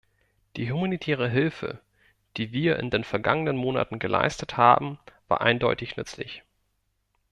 Die humanitäre Hilfe, die wir in den vergangenen Monaten geleistet haben, war eindeutig nützlich.